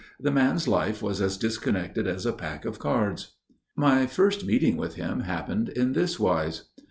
The man's life was as disconnected as a pack of cards. My first meeting with him happened in this wise.